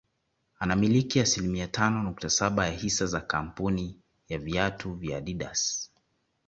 Anamiliki asilimia tano nukta saba ya hisa za kamapuni ya viatu ya Adidas